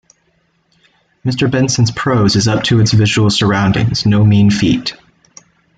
Mr. Benson's prose is up to its visual surroundings, no mean feat.